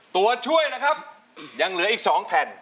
ตัวช่วยนะครับยังเหลืออีก๒แผ่น